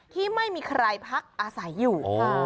ที่ไม่มีใครพักอาศัยอยู่